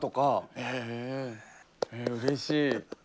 えうれしい。